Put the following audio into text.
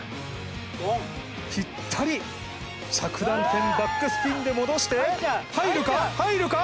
ピッタリ着弾点バックスピンで戻して入るか入るか？